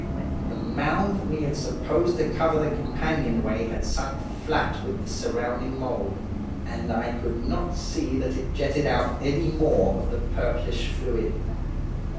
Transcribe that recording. The mound that we had supposed to cover the companionway had sunk flat with the surrounding mould, and I could not see that it jetted out any more of the purplish fluid.